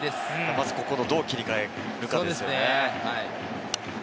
まず、ここをどう切り替えるかですね。